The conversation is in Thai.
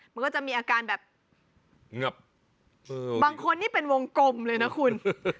มันก็จะมีอาการแบบบางคนนี่เป็นวงกลมเลยนะคุณ